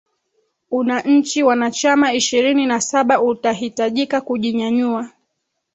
una nchi wanachama ishirini na saba utahitajika kujinyanyua